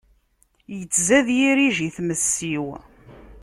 Ittzad yirij i tmes-iw.